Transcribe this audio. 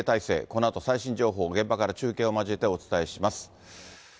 このあと、最新情報を現場から中継を交えてお伝えします。